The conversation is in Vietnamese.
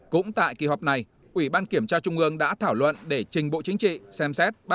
cũng tại kỳ họp này ủy ban kiểm tra trung ương đã thảo luận để trình bộ chính trị xem xét